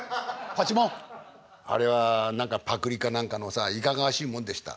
あれは何かパクリか何かのさいかがわしいもんでした。